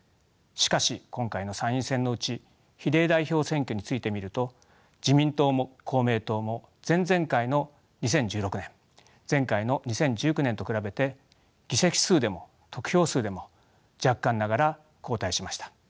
しかし今回の参院選のうち比例代表選挙について見ると自民党も公明党も前々回の２０１６年前回の２０１９年と比べて議席数でも得票数でも若干ながら後退しました。